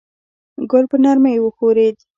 ګل په نرمۍ وښورېد.